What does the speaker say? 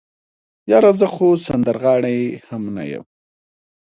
يره زه خو سندرغاړی ام نه يم.